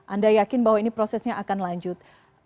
anda yakin bahwa ini prosesnya akan lanjut